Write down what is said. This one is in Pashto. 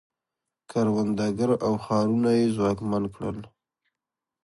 کروندګر او ښارونه یې ځواکمن کړل